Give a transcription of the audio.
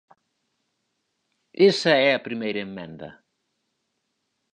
Esa é a primeira emenda.